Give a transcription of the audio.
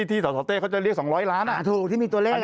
ที่สตเต้เขาจะเรียก๒๐๐ล้านอ่ะถูกที่มีตัวเลขอ่ะ